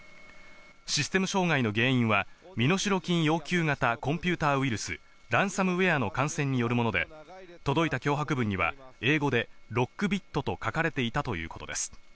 システム障害の原因は身代金要求型コンピューターウイルス、ランサムウェアの感染によるもので、届いた脅迫文には英語でロックビットと書かれていたということです。